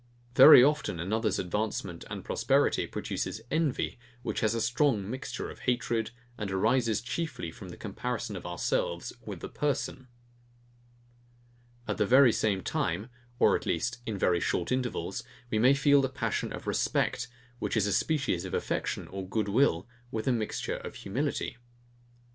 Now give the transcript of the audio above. Very often another's advancement and prosperity produces envy, which has a strong mixture of hatred, and arises chiefly from the comparison of ourselves with the person. At the very same time, or at least in very short intervals, we may feel the passion of respect, which is a species of affection or good will, with a mixture of humility.